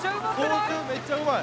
操縦めっちゃうまい。